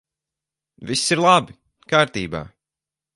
Viss ir labi! Kārtībā!